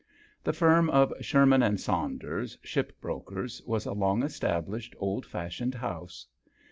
The firm of Sherman and Saunders, ship brokers, was a long established, old fashioned house.